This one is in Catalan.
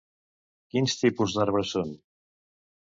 Quins tipus d'arbres són?